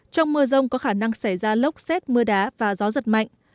trong mưa rông có khả năng xảy ra lốc xét mưa đá và gió giật mạnh